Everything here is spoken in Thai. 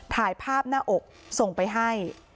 ถ่ายภาพหน้าอกส่งไปให้